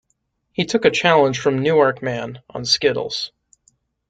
He took a challenge from a Newark man, on skittles.